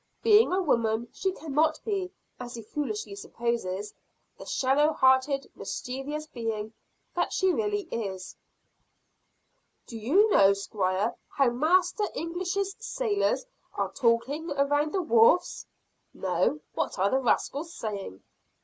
Being a woman, she cannot be, as he foolishly supposes, the shallow hearted, mischievous being that she really is. "Do you know, Squire, how Master English's sailors are talking around the wharves?" "No! What are the rascals saying?"